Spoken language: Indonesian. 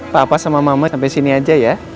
papa sama mama sampai sini aja ya